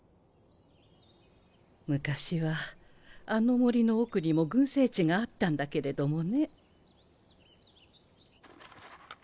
昔はあの森の奥にも群生地があったんだけれどもね。